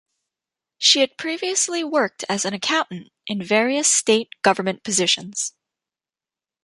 She had previously worked as an accountant in various state government positions.